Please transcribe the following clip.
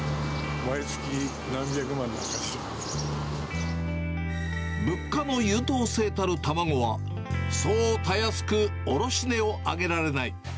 毎月、物価の優等生たる卵は、そうたやすく卸値を上げられない。